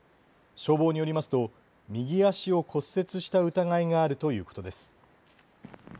消防によりますと右足を骨折した疑いがあるということです。